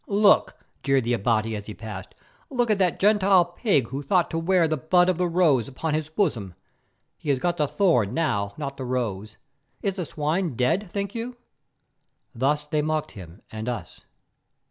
"Look," jeered the Abati as he passed, "look at the Gentile pig who thought to wear the Bud of the Rose upon his bosom. He has got the thorn now, not the rose. Is the swine dead, think you?" Thus they mocked him and us.